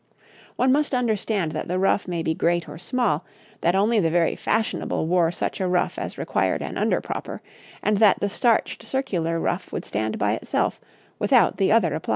One must understand that the ruff may be great or small, that only the very fashionable wore such a ruff as required an underpropper, and that the starched circular ruff would stand by itself without the other appliance.